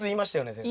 先生。